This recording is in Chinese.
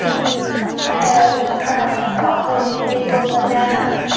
埃尔米纳城堡位于非洲的加纳。